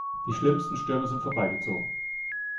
Die schlimmsten Stürme sind vorbeigezogen.